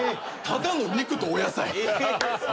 ただの肉とお野菜。